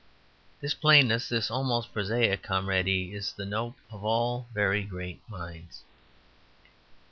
This plainness, this almost prosaic camaraderie, is the note of all very great minds.